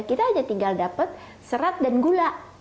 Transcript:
kita hanya tinggal dapat serat dan gula